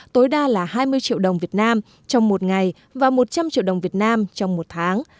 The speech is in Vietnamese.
tối đa là hai mươi triệu đồng việt nam trong một ngày và một trăm linh triệu đồng việt nam trong một tháng